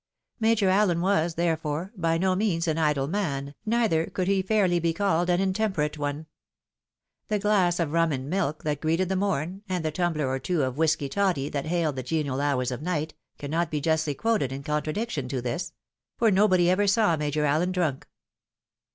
Major Allen was, therefore, by no means an idle man, neither could he fairly be called an intemperate one. The glass of rum and milk that greeted the morn, and the tumbler or two of whisky toddy that hailed the genial hours of night, can not be justly quoted in contradiction to this ; for nobody ever saw Major Allen drunk.